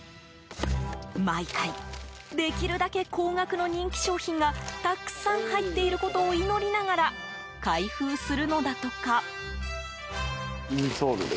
毎回できるだけ高額の人気商品がたくさん入っていることを祈りながら開封するのだとか。